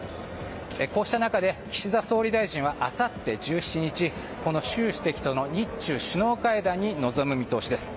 こうした中で、岸田総理大臣はあさって１７日習主席との日中首脳会談に臨む見通しです。